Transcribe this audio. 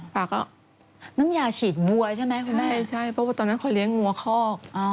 ป่าก็น้ำยาฉีดวัวใช่ไหมคุณแม่ใช่เพราะว่าตอนนั้นคอยเลี้ยงวัวคอก